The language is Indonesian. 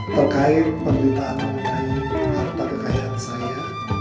terkait permintaan harta kekayaan saya